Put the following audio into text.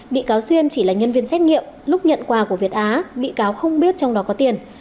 bị cáo xuyên chỉ là nhân viên xét nghiệm lúc nhận quà của việt á bị cáo không biết trong đó có tiền